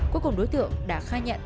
cuối cùng đối tượng đã khai nhận